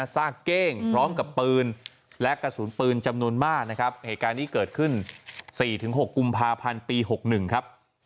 ซากเก้งพร้อมกับปืนและกระสุนปืนจำนวนมากนะครับเหตุการณ์นี้เกิดขึ้น๔๖กุมภาพันธ์ปี๖๑ครับ